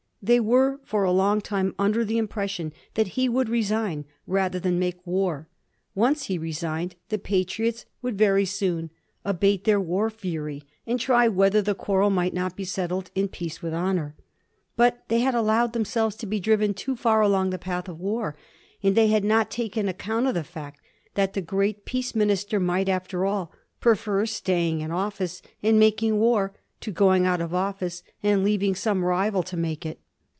They were for a long time under the impression that he would resign rather than make war. Once he resigned, the Patriots would very soon abate 158 A HISTORY OF THE FOUR GEORGES. ch.xxxl their war fury; and try whether the quarrel might not be settled in peace with honor. But they had allowed them selves to be driven too far along the path of war; and they had not taken account of the fact that the great peace Minister might, after all, prefer staying in office and mak ing war to going out of office and leaving some rival to make it.